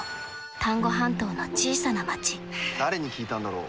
丹後半島の小さな町誰に聞いたんだろう。